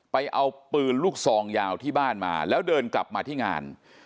ไปเอาปืนลูกซองยาวที่บ้านมาแล้วเดินกลับมาที่งาน